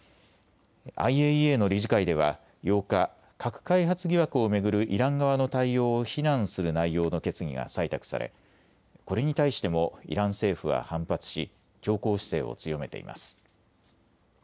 ＩＡＥＡの理事会では８日、核開発疑惑を巡るイラン側の対応を非難する内容の決議が採択されこれに対してもイラン政府は反発し強硬姿勢を強めています。